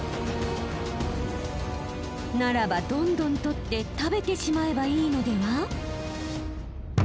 ならばどんどん取って食べてしまえばいいのでは？